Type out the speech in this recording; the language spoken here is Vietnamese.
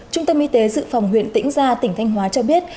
trung tâm y tế dự phòng huyện tĩnh gia tỉnh thanh hóa cho biết